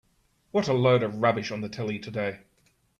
What a load of rubbish on the telly today.